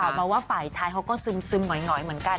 ออกมาว่าฝ่ายชายเขาก็ซึมหงอยเหมือนกัน